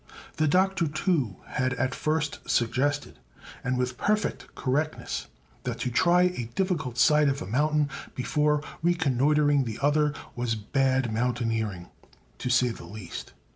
The Doctor, too, had at first suggested, and with perfect correctness, that to try a difficult side of a mountain before reconnoitering the other was bad mountaineering, to say the least.